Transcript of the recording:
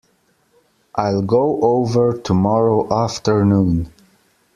I'll go over tomorrow afternoon.